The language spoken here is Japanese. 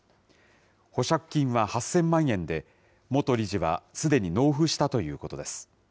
保釈金は８０００万円で、元理事はすでに納付したということです。